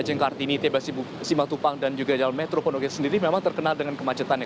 ra kartini tbs simatupang dan juga jalan metro pondok indah sendiri memang terkenal dengan kemacetannya